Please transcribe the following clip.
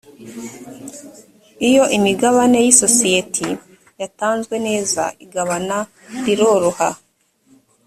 iyo imigabane y’isosiyeti yatanzwe neza igabana riroroha